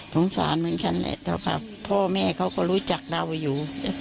สารเหมือนกันแหละเท่ากับพ่อแม่เขาก็รู้จักเราอยู่